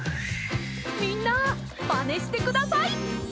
みんなまねしてください。